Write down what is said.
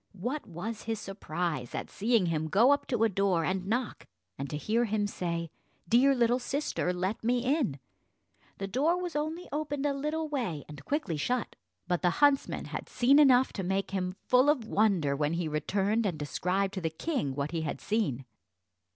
What was his surprise at seeing him go up to a door and knock, and to hear him say, "Dear little sister, let me in." The door was only opened a little way, and quickly shut; but the huntsman had seen enough to make him full of wonder, when he returned and described to the king what he had seen.